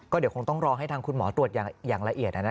เดี๋ยวคงต้องรอให้ทางคุณหมอตรวจอย่างละเอียด